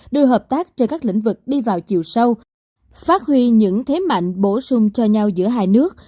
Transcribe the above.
đưa hợp tác trên các lĩnh vực đi vào chiều sâu phát huy những thế mạnh bổ sung cho nhau giữa hai nước